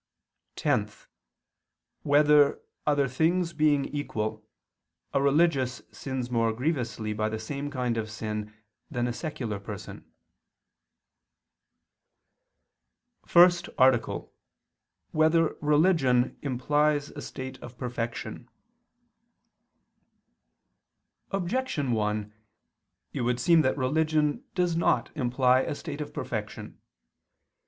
(10) Whether, other things being equal, a religious sins more grievously by the same kind of sin than a secular person? _______________________ FIRST ARTICLE [II II, Q. 186, Art. 1] Whether Religion Implies a State of Perfection? Objection 1: It would seem that religion does not imply a state of perfection.